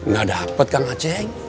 gak dapet kang aceh